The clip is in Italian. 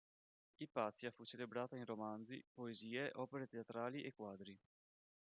Ipazia fu celebrata in romanzi, poesie, opere teatrali e quadri.